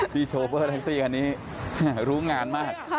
โชเฟอร์แท็กซี่คันนี้รู้งานมาก